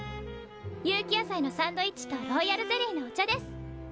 有機野菜のサンドイッチとロイヤルゼリーのお茶です。